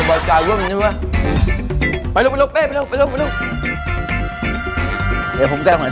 เออไปสั่งน้ำบับแก้ว